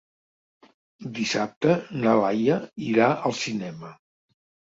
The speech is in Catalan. Dissabte na Laia irà al cinema.